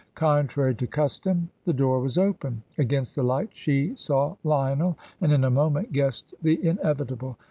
Contrary to custom, the door was open. Against the light she saw Lionel, and in a moment guessed the inevitable.